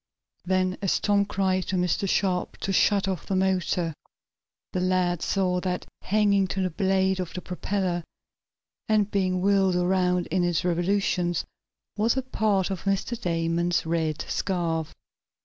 Then, as Tom cried to Mr. Sharp to shut off the motor, the lad saw that, hanging to the blade of the propeller, and being whirled around in its revolutions, was a part of Mr. Damon's red scarf.